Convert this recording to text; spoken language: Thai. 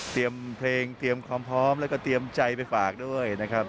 เพลงเตรียมความพร้อมแล้วก็เตรียมใจไปฝากด้วยนะครับ